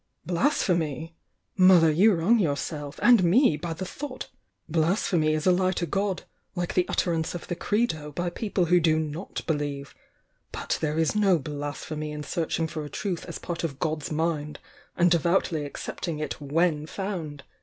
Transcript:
"Blasphemy? Mother, you wrong yourself and me by the thought! Blasphemy is a lie to God, like the utterance of the 'Credo' by people who do not believe, — but there is no blasphemy in searching for a truth as part of God's mind, and devoutly accept ing it when found